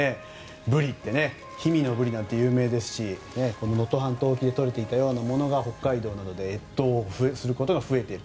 ブリって氷見のブリなんて有名ですし能登半島沖などでとれていたものが北海道で越冬することが増えている。